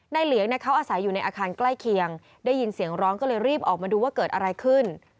เหลียงเขาอาศัยอยู่ในอาคารใกล้เคียงได้ยินเสียงร้องก็เลยรีบออกมาดูว่าเกิดอะไรขึ้น